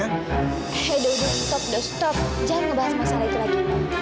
edo udah udah stop udah stop jangan ngebahas masalah itu lagi